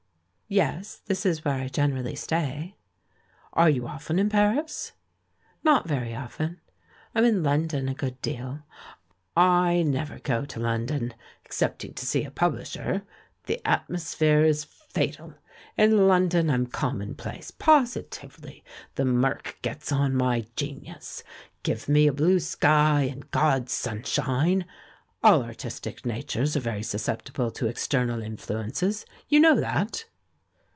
"Yes; this is where I generally stay." "Are you often in Paris?" "Not very often; I'm in London a good deal." "Z never go to London, excepting to see a pub hsher; the atmosphere is fatal. In London I'm conmionplace. Positively. The murk gets on mj" genius. Give me a blue sky and God's sun shine! All artistic natures are very susceptible to external influences. You know that?"